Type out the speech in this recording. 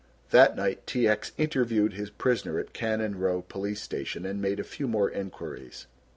That night T. X. interviewed his prisoner at Cannon Row police station and made a few more enquiries.